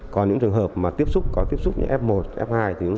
còn những trường hợp có tiếp xúc như f một f hai